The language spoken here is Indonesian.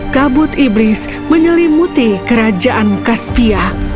kabut iblis menyelimuti kerajaan kaspia